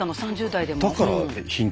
３０代でも。